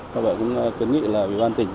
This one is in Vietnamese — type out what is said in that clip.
có vẻ cũng kiến nghị là vị ban tỉnh